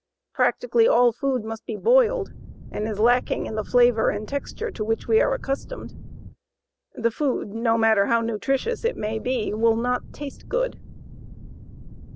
Practically all food must be boiled, and is lacking in the flavor and texture to which we are accustomed. The food, no matter how nutritious it may be, will not taste good.